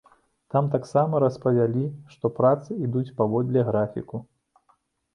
Там таксама распавялі, што працы ідуць паводле графіку.